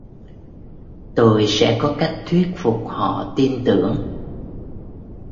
tôi sẽ có cách thuyết phục họ tin tưởng